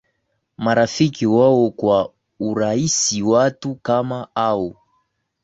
marafiki wao kwa urahisi Watu kama hao